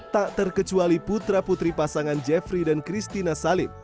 tak terkecuali putra putri pasangan jeffrey dan christina salim